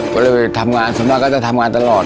ก็เลยไปทำงานส่วนมากก็จะทำงานตลอด